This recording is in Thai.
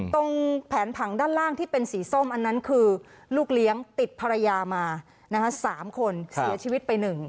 ตรงแผนผังด้านล่างที่เป็นสีส้มอันนั้นคือลูกเลี้ยงติดภรรยามา๓คนเสียชีวิตไป๑